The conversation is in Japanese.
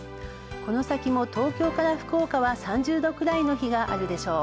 この先も東京から福岡は３０度くらいの日があるでしょう。